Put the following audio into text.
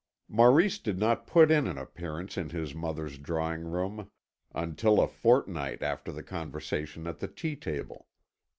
Maurice did not put in an appearance in his mother's drawing room until a fortnight after the conversation at the tea table.